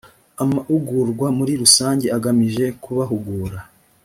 amaugurwa muri rusange agamije kubahugura